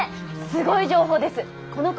すごい情報ですッ。